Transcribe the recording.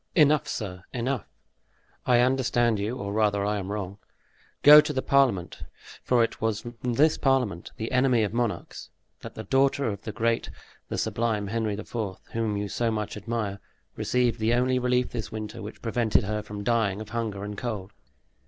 Enough, sir, enough. I understand you or rather, I am wrong. Go to the parliament, for it was from this parliament, the enemy of monarchs, that the daughter of the great, the sublime Henry IV., whom you so much admire, received the only relief this winter which prevented her from dying of hunger and cold!"